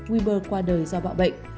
weber qua đời do bạo bệnh